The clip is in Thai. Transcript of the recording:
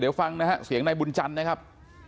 เดี๋ยวฟังนะฮะเสียงนายบุญจันทร์นะครับ